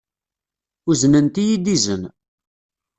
Uznent-iyi-d izen.